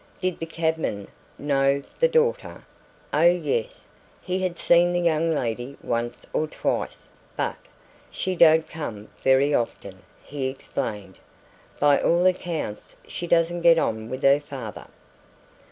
Did the cabman know the daughter? Oh yes, he had seen the young lady once or twice, but "She don't come very often," he explained. "By all accounts she doesn't get on with her father."